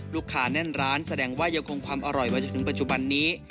แน่นร้านแสดงว่ายังคงความอร่อยมาจนถึงปัจจุบันนี้